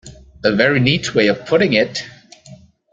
A very neat way of putting it.